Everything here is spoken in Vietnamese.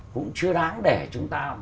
cũng chưa đáng để chúng ta